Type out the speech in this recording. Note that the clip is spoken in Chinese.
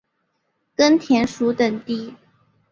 根田鼠等地。